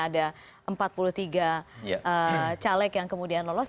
ada empat puluh tiga caleg yang kemudian lolos